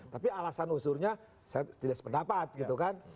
tapi alasan usurnya saya tidak sependapat gitu kan